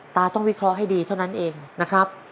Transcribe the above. ตาต้องวิเคราะห์ให้ดีเท่านั้นเองนะครับ